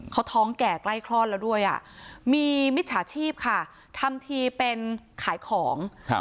เขาท้องแก่ใกล้คลอดแล้วด้วยอ่ะมีมิจฉาชีพค่ะทำทีเป็นขายของครับ